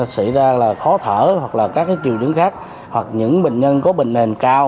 xảy ra là khó thở hoặc là các triệu chứng khác hoặc những bệnh nhân có bệnh nền cao